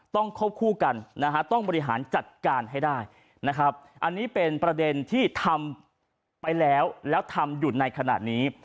ควบคู่กันนะฮะต้องบริหารจัดการให้ได้นะครับอันนี้เป็นประเด็นที่ทำไปแล้วแล้วทำอยู่ในขณะนี้